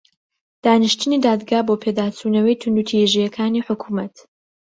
دانیشتنی دادگا بۆ پێداچوونەوەی توندوتیژییەکانی حکوومەت